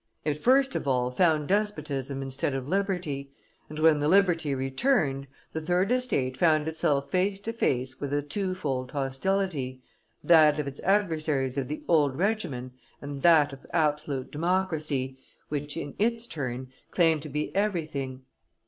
It first of all found despotism instead of liberty; and when the liberty returned, the third estate found itself face to face with a twofold hostility: that of its adversaries of the old regimen and that of absolute democracy, which, in its turn, claimed to be everything.